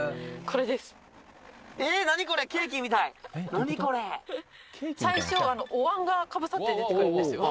これ最初お碗がかぶさって出てくるんですよ